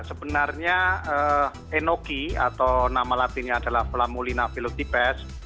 sebenarnya enoki atau nama latinnya adalah flamulina velotives